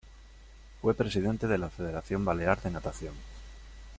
Fue presidente de la Federación Balear de Natación.